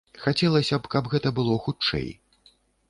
Хацелася б, каб гэта было хутчэй.